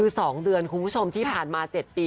คือ๒เดือนคุณผู้ชมที่ผ่านมา๗ปี